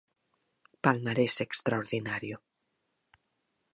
Palmarés extraordinario.